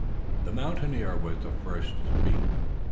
THE mountaineer was the first to speak.